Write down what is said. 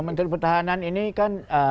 menteri pertahanan ini kan